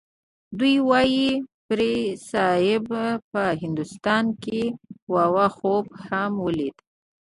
دوی وايي پیرصاحب په هندوستان کې و او خوب یې ولید.